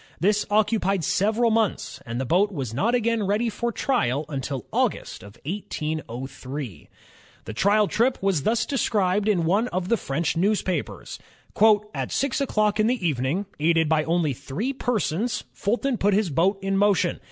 This occupied several months, and the boat was not again ready for trial until August, 1803. ROBERT FULTON 40 INVENTIONS OF STEAM AND ELECTRIC POWER The trial trip was thus described in one of the French newspapers: "At six o'clock in the evening, aided by only three persons, he (Fulton) put his boat in motion